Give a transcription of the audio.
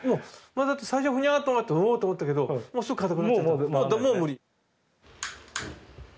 だって最初ふにゃっと曲がっておっと思ったけどもうすぐ硬くなっちゃったもう無理。